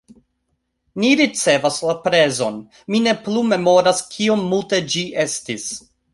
Ni ricevas la prezon, mi ne plu memoras kiom multe ĝi estis